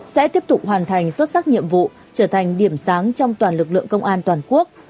sẽ tiếp tục hoàn thành xuất sắc nhiệm vụ trở thành điểm sáng trong toàn lực lượng công an toàn quốc